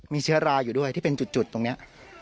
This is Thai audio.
มีเชื้อราอยู่ด้วยที่เป็นจุดตรงนี้